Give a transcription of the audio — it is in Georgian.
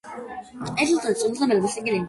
ითვლება საჭმლის მონელების მასტიმულირებელ აგენტად.